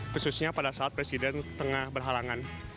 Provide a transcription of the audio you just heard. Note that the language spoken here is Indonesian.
khususnya pada saat presiden tengah berhalangan